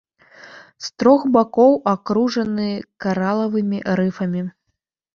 З трох бакоў акружаны каралавымі рыфамі.